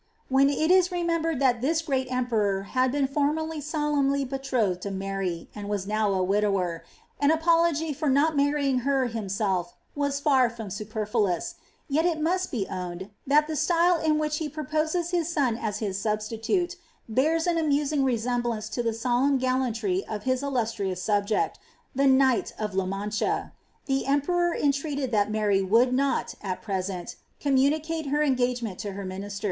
'^' When it is remembered that this great emperor had been f(M> merly solemnly betrothed to Mary, and was now a widower, an apolo^ for not marrying her himself was far from superfluous ; yet it roost be owned, that the style in which he proposes his son as his substitole bears an amusing resemblance to the solemn gallantry of his illustrioai subject, the knight of La Mancha. The emperor entreated that Mtiy would not, at present, communicate her engagement to her ministen.